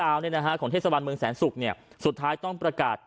ไอ้เทศวันเมืองแสนศุกร์สุดท้ายต้องประกาศ